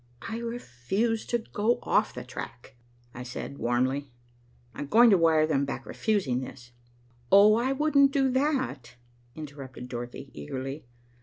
'" "I refuse to go off the track," I said warmly. "I'm going to wire them back refusing this." "Oh, I wouldn't do that," interrupted Dorothy eagerly.